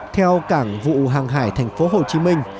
theo cảng vụ hàng hải thành phố hồ chí minh